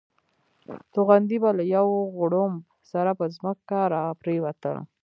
توغندي به له یو غړومب سره پر ځمکه را پرېوتل.